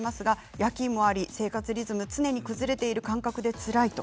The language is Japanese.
夜勤があり生活リズムが常に崩れている感覚でつらいです。